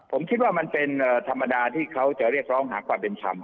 ผมคิดว่ามันเป็นเอ่อธรรมดาที่เขาจะเรียกปังหาความเป็นชำ